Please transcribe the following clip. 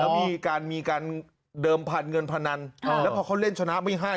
แล้วมีการเดิมพันธุ์เงินพนันแล้วพอเขาเล่นชนะไม่ให้